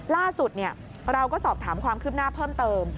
ล่าสุดเราก็สอบถามความคืบหน้าเพิ่มเติม